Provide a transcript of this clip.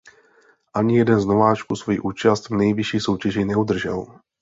Ani jeden z nováčků svoji účast v nejvyšší soutěži neudržel.